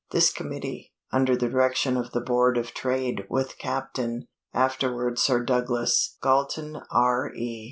This committee under the direction of the Board of Trade, with Captain, afterward Sir Douglas, Galton, R.E.